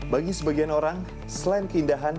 bagi sebagian orang selain keindahan